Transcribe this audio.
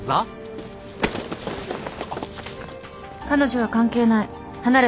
彼女は関係ない。